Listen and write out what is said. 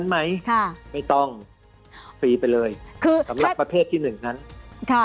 ไหมค่ะไม่ต้องฟรีไปเลยคือสำหรับประเภทที่หนึ่งนั้นค่ะ